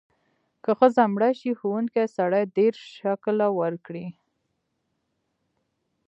که ښځه مړه شي، وهونکی سړی دیرش شِکِل ورکړي.